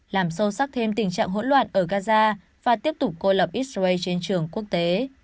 làm sâu sắc thêm tình trạng hỗn loạn ở gaza và tiếp tục cô lập israel trên trường quốc tế